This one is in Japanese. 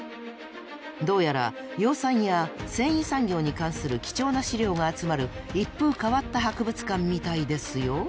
どうやら養蚕や繊維産業に関する貴重な資料が集まる一風変わった博物館みたいですよ。